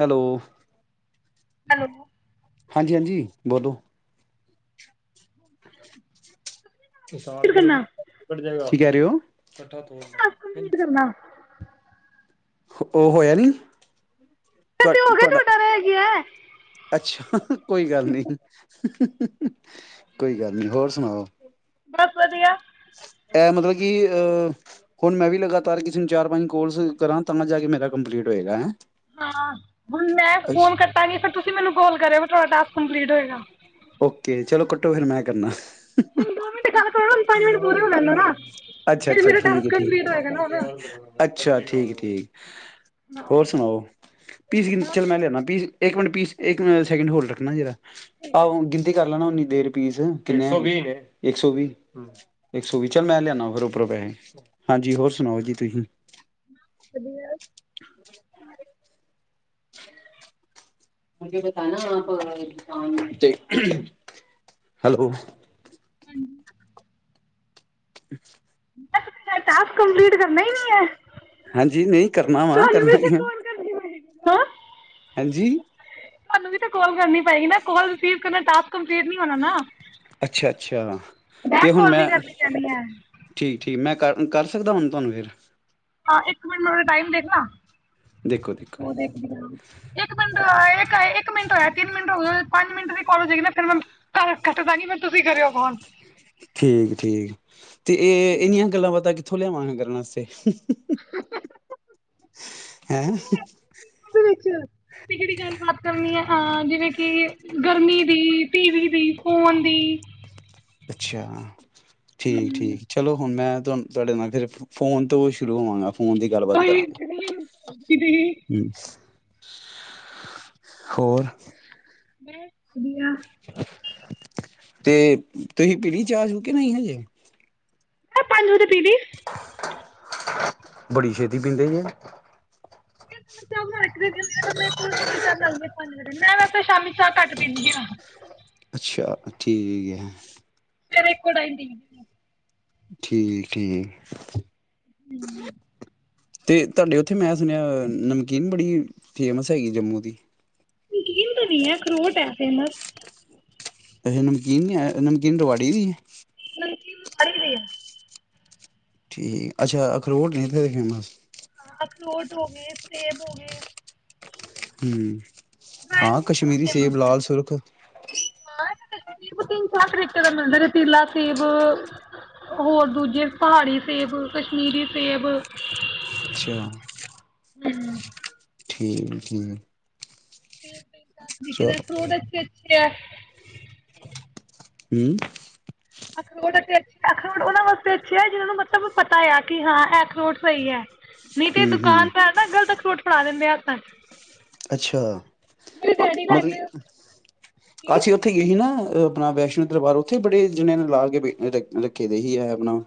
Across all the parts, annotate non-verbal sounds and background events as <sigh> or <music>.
Hello hello ਹਾਂਜੀ ਹਾਂਜੀ ਬੋਲੋ <unintelligible> ਕਰਨਾ <unintelligible> ਕੀ ਕਹਿ ਰਹੇ ਹੋ ਇਕੱਠਾ ਤੋਲ ਟਾਸਕ ਕੰਪਲੀਟ ਕਰਨਾ। ਉਹ ਹੋਇਆ ਨੀ ਤੇ ਹੋਗਿਆ ਤੁਹਾਡਾ ਰਹ ਗਿਐ ਅੱਛਾ ਆ ਕੋਈ ਗੱਲ ਨੀ ਹ ਹ ਕੋਈ ਗੱਲ ਨੀ ਹੋਰ ਸੁਣਾਓ ਬਸ ਵਧੀਆ ਇਹ ਮਤਲਬ ਕਿ ਹੁਣ ਮੈਂ ਵੀ ਲਗਾਤਾਰ ਕਿਸੇ ਨੂੰ ਚਾਰ ਪੰਜ ਕੋਲਸ ਕਰਾਂ ਤਾਂ ਜਾ ਕੇ ਮੇਰਾ ਕੰਪਲੀਟ ਹੋਏਗਾ ਹੈਂ ਹਾਂ ਹੁਣ ਮੈਂ ਫੋਨ ਕੱਟਾਂਗੀ ਫੇਰ ਤੁਸੀਂ ਮੈਨੂੰ ਕੋਲ ਕਰਿ ਤੁਹਾਡਾ ਟਾਸਕ ਕੰਪਲੀਟ ਹੋਏਗਾ ਓਕੇ ਚਲੋ ਕੱਟੋ ਫਿਰ ਮੈਂ ਕਰਨਾ ਹੁਣ ਦੋ ਮਿੰਟ ਗੱਲ ਕਰੋ ਨਾ ਪੰਜ ਮਿੰਟ ਪੂਰੇ ਹੋ ਲੈਣ ਦੋ ਨਾ ਅੱਛਾ ਫਿਰ ਅੱਛਾ ਮੇਰਾ ਠੀਕ ਟਾਸਕ ਆ ਕੰਪਲੀਟ ਠੀਕ ਹੋਏਗਾ ਨਾ ਹੁਣ। ਅੱਛਾ ਠੀਕ ਠੀਕ ਹਾਂ। ਹੋਰ ਸੁਣਾਓ ਬਸ ਚਲ ਮੈਂ ਲਿਆਣਾ ਇੱਕ ਮਿੰਟ ਪੀਸ ਇੱਕੈਕਿੰਡ ਹੋਲ ਰੱਖਣਾ ਜਿਹੜਾ ਠੀਕ ਹੈ ਆਹੋ ਗਿਣਤੀ ਕਰ ਲੈਣਾ ਨੀ ਦੇਰ ਪੀਸ ਕਿੰਨੇ ਇੱਕ ਸੌ ਵੀ ਇੱਕ ਸੋ ਵੀ ਚੱਲ ਮੈਂ ਲਿਆਨਾ ਫਿਰ ਉਪਰੋਂ ਪੈਸੇ ਹਾਂਜੀ ਹੋਰ ਸੁਣਾਓ ਜੀ ਤੁਸੀਂ ਵਧੀਆ <unintelligible> <unintelligible> ਬਾਨ ਹੈਲੋ ਹਾਂਜੀ ਅ ਮ ਟਾ ਕੰਪਲੀਟ ਕਰਨਾ ਹੀ ਨੀ ਹੈ ਹਾਂਜੀ ਨਹੀਂ ਕਰਨਾ ਵਾ ਤੁਹਾਨੂੰ ਕਰਨਾ ਵੀ ਕੌਣ ਕਰ ਹੈਂ ਹਂਜੀ ਤੁਹਾਨੂੰ ਵੀ ਤਾਂ ਕਾਲ ਕਰਨੀ ਪਏਗੀ ਨਾ ਕੋਾਲ ਰਿਸੀਵ ਕਰਨਾ ਟਾਸ ਅੱਛਾ ਅੱਛਾ ਤੇ ਬੈਕ ਹੁਣ ਕਾਲ ਮੈਂ ਵੀ ਕਰਨੀ ਪੈਣੀ ਹੈ ਠੀਕ ਠੀਕ ਮੈਂ ਕਰ ਕਰ ਸਕਦਾ ਹੁਣ ਤੁਹਾਨੂੰ ਫਿਰ ਹਾਂ ਇੱਕ ਮਿੰਟ ਮਾ ਟਾਈਮ ਦੇਖਦਾ ਦੇਖੋ ਦੇਖੋ ਇੱਕ ਮਿੰਟ ਇੱਕ ਮਿੰਟ ਆਇ ਤਿੰਨ ਮਿੰਟ ਪੰਜ ਮਿੰਟ ਮ ਕੋਾਲਜ ਹੈਗੀ ਨਾ ਫ ਮੈ ਘਰ ਕੱਟਦਾ ਨ ਮ ਤੁਸੀਂ ਕਰਿਓ ਫੋਨ ਠੀਕ ਠੀਕ ਤੇ ਇਹ ਇਹਨੀਆਂ ਗੱਲਾਂ ਬਾਤਾਂ ਕਿਥੋ ਲਿਆਵਾਗੇਂ ਗਲਾ ਵਾਸਤੇ ਹੈਂ। ਤੇ ਜਿਹੜੀ ਗੱਲਬਾਤ ਕਰਨੀ ਆ ਹਾਂ ਜਿਵੇਂ ਕਿ ਗਰਮੀ ਦੀ ਟੀਵੀ ਦੀ ਫੋਨ ਦੀ ਅੱਛਾ ਠੀਕ ਠੀਕ ਚਲੋ ਹੁਣ ਮੈਂ ਤੁਹਾਨੂੰ ਤੁਹਾਡੇ ਨਾਲ ਫਿਰ ਫੋਨ ਤੋਂ ਉਹ ਸ਼ੁਰੂ ਹੋਵਾਂਗਾ। ਫੋਨ ਦੀ ਗੱਲਬਾਤ ਕੋਈ ਕਰਾਂਗੇ ਕਿ ਹਮ ਹੋਰ ਮੈਂ ਵਧੀਆ ਮੈਂ ਤੇ ਤੁਸੀਂ ਪੀੜੀ ਚ ਆਜੂ ਕਿ ਨਹੀਂ ਹਜੇ ਮੈਂ ਪੰਜ ਵਜੇ ਦੀਦੀ ਬੜੀ ਛੇਤੀ ਪੀਂਦੇ ਜੇ। <unintelligible> ਮੈਂ ਵੈਸੇ ਸ਼ਾਮੀ ਚਾਹ ਕੱਟ ਪੀਦੀ ਆ ਅੱਛਾ ਠੀਕ ਏ ਸਵੇਰੇ ਇਕੋ ਟਾਈਮ ਹੀ। ਠੀਕ ਠੀਕ। ਤੇ ਤੁਹਾਡੇ ਉੱਥੇ ਮੈਂ ਸੁਣਿਆ ਨਮਕੀਨ ਬੜੀ ਫੇਮਸ ਹੈਗੀ ਜੰਮੂ ਦੀ ਨਮਕੀਨ ਤਾਂ ਨੀ ਹੈ ਅਖਰੋਟ ਹੈ ਫੇਮਸ। ਅਛਾ ਨਮਕੀਨ ਨੀ ਆ ਨਮਕੀਨ ਰਵਾੜੀ ਦੀ ਹੈ। <unintelligible> ਠੀਕ ਅੱਛਾ ਅਖਰੋਟ ਨੇ ਇਥੇ ਦੇ ਫੇਮਸ। ਹਾਂ ਅਖਰੋਟ ਹੋਗੇ ਏ ਸੇਬ ਹੋਗੇ। ਏ ਹੂੰ ਹਾਂ ਕਸ਼ਮੀਰੀ ਸੇਬ ਲਾਲ ਸੁਰਖ। ਹਾਂ ਤੇ ਸੇਬ ਤਿੰਨ ਚਾਰ ਤੇਕੇ ਦਾ ਮਿਲਦਾ ਰਤੀਲਾ ਸੇਬ ਹੋਰ ਦੂਜੇ ਪਹਾੜੀ ਸੇਬ ਕਸ਼ਮੀਰੀ ਸੇਬ। ਅੱਛਾ ਹੂੰ ਠੀਕ ਠੀਕ ਤੇ ਤਰੀਕੇ ਚਲੋ ਦਾ ਥੋੜਾ <inaudible> ਹੂੰ ਅਖਰੋਟ ਅੇ ਅਖਰੋਟ ਉਹਨਾਂ ਵਾਸਤੇ ਅੱਛੇ ਆ ਜਿਹਨਾਂ ਨੂੰ ਮਤਲਬ ਪਤਾ ਆ ਕਿ ਹਾਂ ਇਹ ਅਖਰੋਟ ਸਹੀ ਹੈ। ਨਹੀਂ ਤੇ ਹਮ ਦੁਕਾਨ ਹਮ ਤਾਂ ਹੈ ਨਾ ਗ਼ਲਤ ਅਖਰੋਟ ਫੜਾ ਦਿੰਦੇ ਆਪ। ਅੱਛਾ ਮਤਲਬ ਅਸੀਂ ਉੱਥੇ ਗਏ ਸੀ ਨਾ ਆਪਣਾ ਵੈਸ਼ਨੋ ਦਰਬਾਰ ਉੱਥੇ ਬੜੇ ਜਣੇ ਨੇ ਲਾ ਕੇ ਰੱਖੇ ਦੇ ਹੀ ਹੈ ਆਪਣਾ।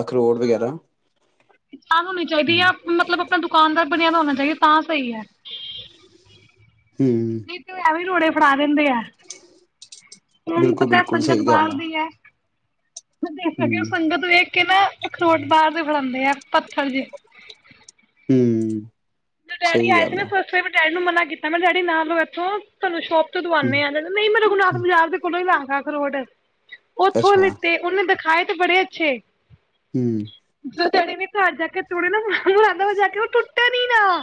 ਅਖਰੋਟ ਵਗੈਰਾ ਹਾਂ ਕਿਸਾਨ ਹੋਣੀ ਚਾਹੀਦੀ ਹਮ ਆ ਮਤਲਬ ਆਪਣਾ ਦੁਕਾਨਦਾਰ ਬਣਿਆ ਹੋਣਾ ਚਾਹੀਦਾ ਤਾਂ ਸਹੀ ਹੈ ਹਮ ਨਹੀਂ ਤੂੰ ਐਵੇਂ ਰੋੜੇ ਭਾ ਦਿੰਦੇ ਆ ਹੁਣ ਬਿਲਕੁਲ ਪਤਾ ਬਿਲਕੁਲ ਸੰਗਤ ਸਹੀ ਬਾਹਰ ਗੱਲ ਆ ਦੀ ਹੈ ਹ ਕਿ ਉਹ ਹਮ ਸੰਗਤ ਵੇਖ ਕਿ ਨਾ ਅਖਰੋਟ ਬਾਹਰ ਦੇ ਫੜਉਂਦੇ ਆ ਪੱਥਰ ਜੇ ਹਮ ਮ ਡੈਡੀ ਸਹੀ ਆਏ ਸੀ ਗੱਲ ਨਾ ਆ ਫਸਟ ਡੈਡੀ ਨੂੰ ਮਨਾ ਕੀਤਾ ਮੈਂ ਡੈਡੀ ਨਾ ਲਓ ਇੱਥੋਂ ਤੁਹਾਨੂੰ ਸ਼ੋਪ ਹੂੰ ਦਵਾਾਨੇ ਆ ਜਾਂਦੇ ਨਹੀਂ ਮੈਂ ਰਘੁਨਾਥ ਹੂੰ, ਪੰਜਾਬ ਦੇ ਕੋਲੋਂ ਹੀ ਲਾ ਗਾਖਰੋਡ ਉਥੋਂ ਅੱਛਾ ਲਤੇ ਉਹਨੇ ਦਿਖਾਏ ਤੇ ਬੜੇ ਅੱਛੇ ਹਮ ਰਜ ਜਾ ਕੇ ਤੋੜੇ ਨਾ ਦਾ ਜਾ ਕੇ ਉਹ ਟੁੱਟ ਨ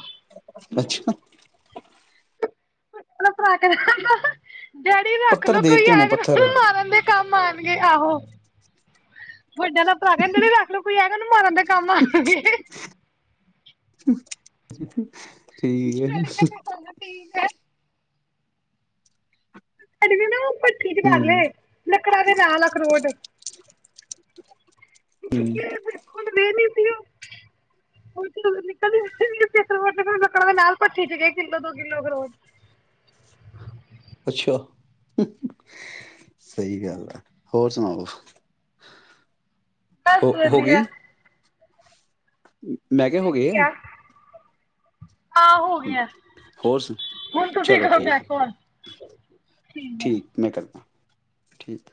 ਅੱਛਾ ਪਰਾ ਕਰ ਜੈੜੀ ਰੱਖ ਪੱਥਰ ਲੋਓ ਦੇ ਕੋਈ ਤੇ ਹੋਣੇ ਐ ਪੱਥਰ ਮਾਰਨ ਦੇ ਕੰਮ ਮਣਗੇ ਆਹੋ ਵੱਡਿਆਂ ਦਾ ਭਰਾ ਕਹਿੰਦੇ ਵੀ ਰਖ ਲਓ ਕੋਈ ਐ ਕਹਨੂੰ ਮਾਰਨ ਦਾ ਕੰਮ ਆ <unintelligible> ਠੀਕ ਡੈਡੀ ਕਹਿੰਦੇ ਹਾਂ ਠੀਕ ਹੈ ਹੈ ਕਰੜ ਨਾ ਭੱਠੀ ਚ ਕਰ ਹੂੰ ਲਏ ਲੱਕੜਾਂ ਦੇ ਨਾਲ ਅਖਰੋਟ ਹਮ ਨਿਕਲਦੀ ਲੱਕੜਾਂ ਦੇ ਨਾਲ ਪੱਠੀ ਚ ਗ ਕਿੱਲੋ ਦੋ ਕਿੱਲੋ ਕਰੋਟ ਅੱਛਾ ਸਹੀ ਗੱਲ ਆ ਹੋਰ ਸੁਣਾਓ ਬਸ ਵਧੀਆ ਠੀ ਮੈਂਗੇ ਹੋ ਦੇਖ ਗਏ ਆ ਹਾਂ ਹੋ ਗਿਆਂ। ਹੋਰ ਸੁ ਹੁਨ ਤੁਸੀ ਚਲੋ ਕਰੋ ਠੀਕ ਬੈਕ ਹੈ ਕਾੱਲ। ਠੀਕ ਮੈਂ ਕਰਦਾ ਠੀਕ।